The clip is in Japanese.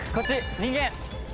人間！